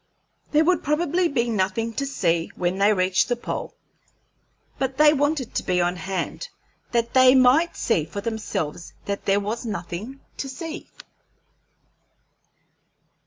There would probably be nothing to see when they reached the pole, but they wanted to be on hand, that they might see for themselves that there was nothing to see.